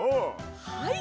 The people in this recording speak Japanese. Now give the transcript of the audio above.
はい！